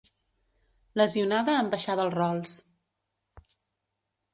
Lesionada en baixar del Rolls.